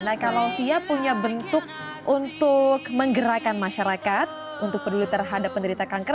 nah kalau siap punya bentuk untuk menggerakkan masyarakat untuk peduli terhadap penderita kanker